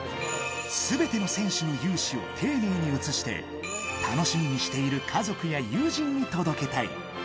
すべての選手の雄姿を丁寧に映して、楽しみにしている家族や友人に届けたい。